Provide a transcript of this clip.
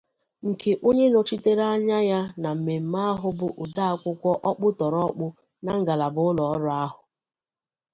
nke onye nọchitere anya ya na mmemme ahụ bụ odeakwụkwọ ọkpụtọrọkpụ na ngalaba ụlọọrụ ahụ